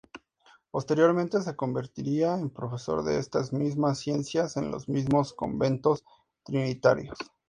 Posteriormente se convertiría en profesor de estas mismas ciencias en los mismos conventos trinitarios.